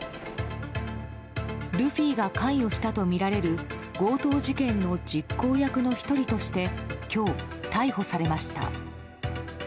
ルフィが関与したとみられる強盗事件の実行役の１人として今日、逮捕されました。